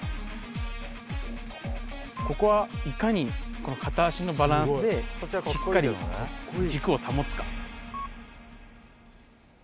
ここはいかに、この片足のバランスで、しっかり軸を保つか。